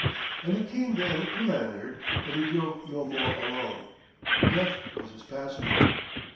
And it came then to Lanyard that he drove no more alone: Death was his passenger.